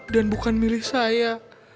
dan bukan milih saya